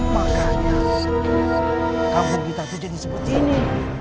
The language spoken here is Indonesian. makanya kampung kita itu jadi seperti ini